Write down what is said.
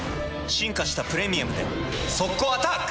進化した「プレミアム」で速攻アタック！